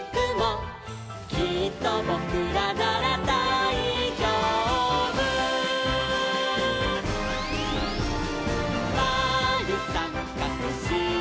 「きっとぼくらならだいじょうぶ」「まるさんかくしかく」